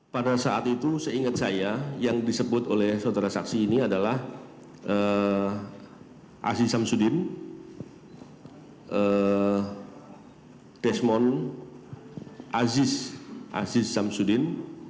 pada saat itu seingat saya yang disebut oleh saudara saksi ini adalah aziz samsudin desmond aziz samsudin